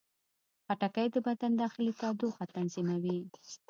خټکی د بدن داخلي تودوخه تنظیموي.